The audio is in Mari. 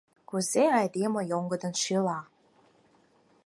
Кузе айдеме йоҥгыдын шӱла.